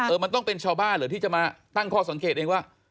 มันต้องเป็นชาวบ้านเหรอที่จะมาตั้งข้อสังเกตเองว่า